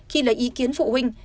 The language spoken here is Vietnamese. khi lấy ý kiến phụ huynh